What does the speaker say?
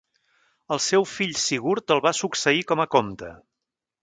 El seu fill Sigurd el va succeir com a comte.